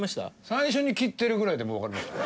最初に切ってるぐらいでもうわかりました。